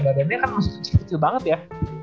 badannya kan masih kecil banget ya